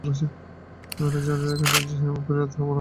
Manager কেন যে এমন করিল তাহা বলা কঠিন।